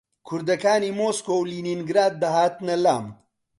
کوردەکانی مۆسکۆ و لینینگراد دەهاتنە لام